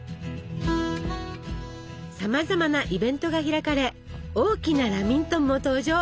さまざまなイベントが開かれ大きなラミントンも登場！